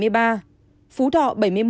phú thọ bảy mươi một